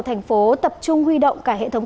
thành phố tập trung huy động cả hệ thống